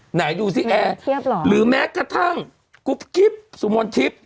ไหนดูสิแอร์หรือแม้กระทั่งกุ๊บกิ๊บสุมนทิพย์